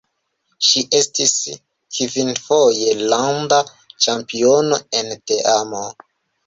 Ŝi estis kvinfoje landa ĉampiono en teamo.